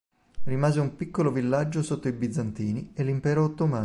Rimase un piccolo villaggio sotto i Bizantini e l'impero Ottomano.